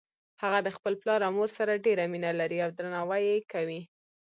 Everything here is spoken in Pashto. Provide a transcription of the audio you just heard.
هغه د خپل پلار او مور سره ډیره مینه لری او درناوی یی کوي